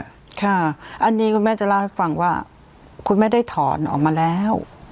อันนี้คุณแม่จะเล่าให้ฟังว่าคุณแม่ได้ถอนออกมาแล้ว